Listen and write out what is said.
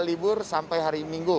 libur sampai hari minggu